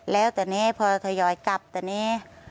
แล้วแต่นี้พอทยอยกลับตอนนี้